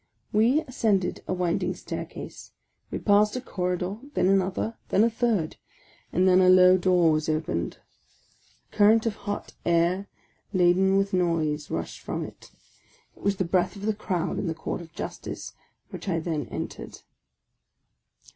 We ascended a winding staircase ; we passed a corridor, then another, then a third, and then a low door was opened. A current of hot air, laden with noise, rushed from it ; it was the breath of the crowd in the Court of Justice which I then entered.